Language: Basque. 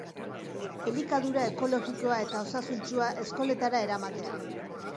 Elikadura ekologikoa eta osasuntsua eskoletara eramatea.